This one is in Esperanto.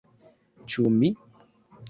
- Ĉu mi?